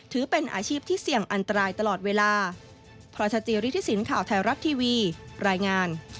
ถือเป็นอาชีพที่เสี่ยงอันตรายตลอดเวลา